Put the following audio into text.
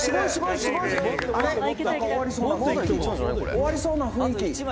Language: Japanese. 「終わりそうな雰囲気。